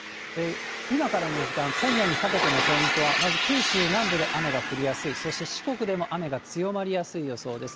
今からの時間、今夜にかけてのポイントは、まず九州南部で雨が降りやすい、そして四国でも雨が強まりやすい予想です。